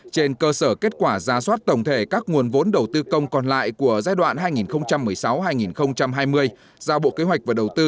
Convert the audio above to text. trên cơ sở kết quả ra soát tổng thể các nguồn vốn đầu tư công còn lại của giai đoạn hai nghìn một mươi sáu hai nghìn hai mươi giao bộ kế hoạch và đầu tư